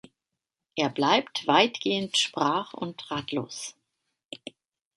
Er bleibt weitgehend sprach- und ratlos.